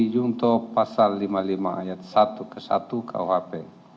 jungto pasal lima puluh lima ayat satu ke satu kuhp